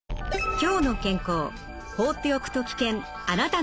「きょうの健康」。